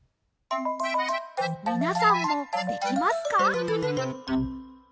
みなさんもできますか？